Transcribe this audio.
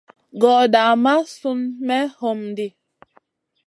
Gordaa maʼa Sun me homdi.